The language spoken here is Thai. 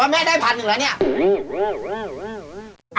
ได้พันหนึ่งแล้วนี่